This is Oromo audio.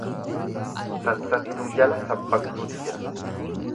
Sassattuu jala sabbaktuutu jira.